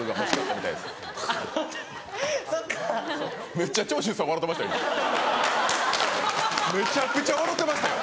めちゃくちゃ笑うてましたよ。